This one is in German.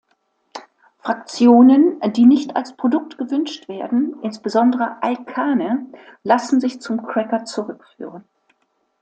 Fraktionen, die nicht als Produkt gewünscht werden, insbesondere Alkane, lassen sich zum Cracker zurückführen.